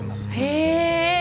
へえ！